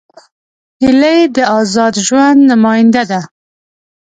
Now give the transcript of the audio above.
هیلۍ د آزاد ژوند نمادیه ده